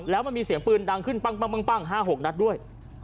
แล้วมันมีเสียงปืนดังขึ้นปั้ง๕๖นัดด้วย